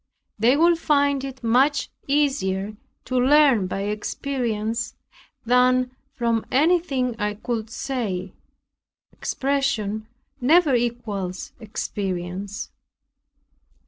They will find it much easier to learn by experience than from anything I could say; expression never equals experience.